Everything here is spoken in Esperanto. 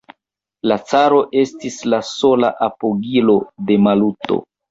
La caro estis la sola apogilo de Maluto.